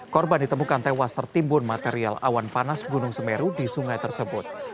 korban ditemukan tewas tertimbun material awan panas gunung semeru di sungai tersebut